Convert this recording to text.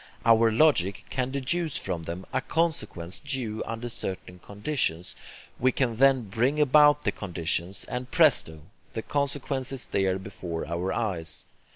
Our logic can deduce from them a consequence due under certain conditions, we can then bring about the conditions, and presto, the consequence is there before our eyes.